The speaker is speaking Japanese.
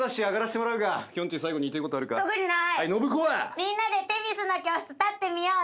みんなで『女神の教室』立って見ようね。